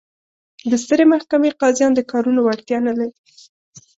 د سترې محکمې قاضیان د کارونو وړتیا نه لري.